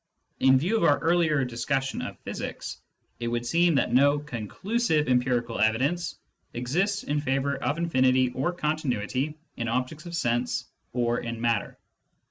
In view of our earlier discussion of physics, it would seem that no conclusive empirical evidence exists in favour of infinity or continuity in objects of sense or in matter.